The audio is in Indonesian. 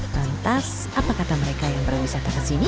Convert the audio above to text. lantas apa kata mereka yang pernah wisata ke sini